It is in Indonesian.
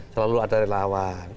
selalu ada lawan